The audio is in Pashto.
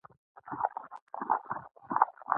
هغه سړے چې نورو ته د بيليف سسټم